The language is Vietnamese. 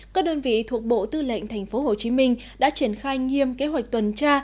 các đơn vị thuộc bộ tư lệnh tp hcm đã triển khai nghiêm kế hoạch tuần tra